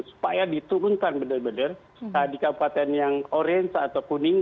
supaya diturunkan benar benar di kabupaten yang orange atau kuning